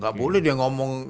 gak boleh dia ngomong